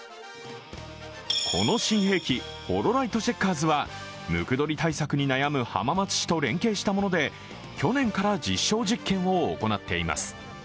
この新兵器ホロライト・チェッカーズはムクドリ対策に悩む浜松市と連携したもので、去年から実証実験を行っています。